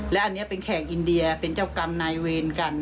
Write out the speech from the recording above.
และอันนี้เป็นแขกอินเดียเป็นเจ้ากรรมนายเวรกัน